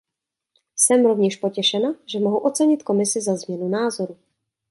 Jsem rovněž potěšena, že mohu ocenit Komisi za změnu názoru.